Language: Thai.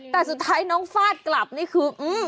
แต่สุดท้ายน้องฟาดกลับนี่คือ